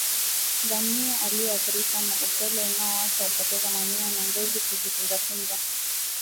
Ngamia aliyeathirika na upele unaowasha hupoteza manyoya na ngozi kujikunjakunja